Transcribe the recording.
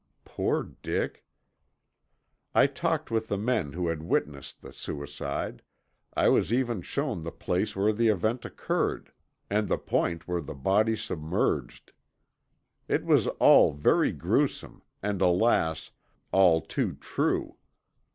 Poor Dick! I talked with the men who had witnessed the suicide, I was even shown the place where the event occurred, and the point where the body submerged! It was all very gruesome and alas, all too true!